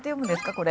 これ。